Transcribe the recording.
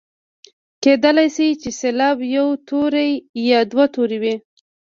کیدلای شي چې سېلاب یو توری یا دوه توري وي.